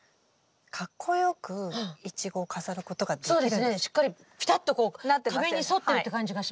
しっかりピタッとこう壁に沿ってるって感じがしますよね。